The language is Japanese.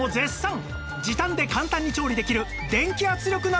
時短で簡単に調理できる電気圧力鍋も登場